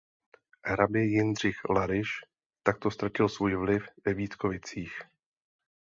Hrabě Jindřich Larisch takto ztratil svůj vliv ve Vítkovicích.